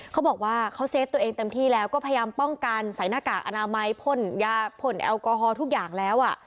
เขาบอกว่าเขาเซฟตัวเองเต็มที่แล้วก็พยายามป้องกันใส่หน้ากากอนามัยพ่นยาพ่นแอลกอฮอลทุกอย่างแล้ว